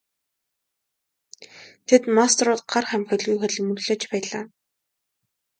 Тэнд мастерууд гар хумхилгүй хөдөлмөрлөж байлаа.